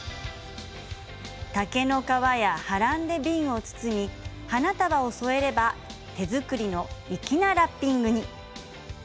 竹の皮やハランで瓶を包み花束を添えれば手作りの粋なラッピングに。